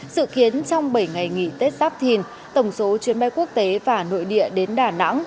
sự kiến trong bảy ngày nghỉ tết giáp thìn tổng số chuyến bay quốc tế và nội địa đến đà nẵng